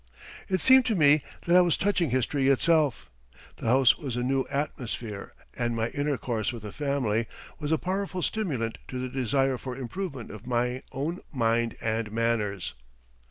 It seemed to me that I was touching history itself. The house was a new atmosphere, and my intercourse with the family was a powerful stimulant to the desire for improvement of my own mind and manners.